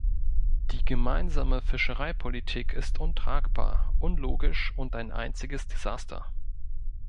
Die Gemeinsame Fischereipolitik ist untragbar, unlogisch und ein einziges Desaster.